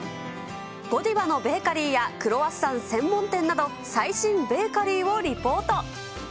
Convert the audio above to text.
ゴディバのベーカリーやクロワッサン専門店など、最新ベーカリーをリポート。